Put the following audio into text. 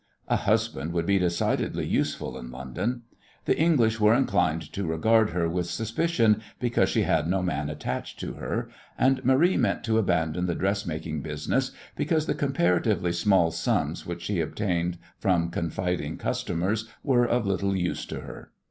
A husband would be decidedly useful in London. The English were inclined to regard her with suspicion because she had no man attached to her, and Marie meant to abandon the dressmaking business because the comparatively small sums which she obtained from confiding customers were of little use to her.